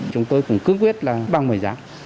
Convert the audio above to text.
chúng tôi cũng cướp quyết bằng mời giá